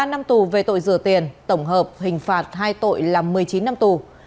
ba năm tù về tội rửa tiền tổng hợp hình phạt hai tội là một mươi chín năm tù